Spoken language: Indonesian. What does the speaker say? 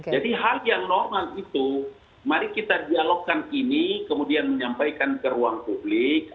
jadi hal yang normal itu mari kita dialogkan ini kemudian menyampaikan ke ruang publik